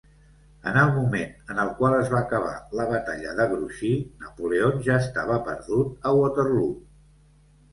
En el moment en el qual es va acabar la batalla de Grouchy, Napoleon ja estava perdut a Waterloo